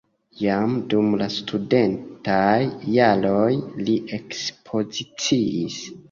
Jam dum la studentaj jaroj li ekspoziciis.